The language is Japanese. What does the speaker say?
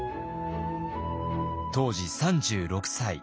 当時３６歳。